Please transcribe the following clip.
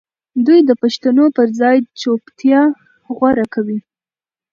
دوی د پوښتنو پر ځای چوپتيا غوره کوي.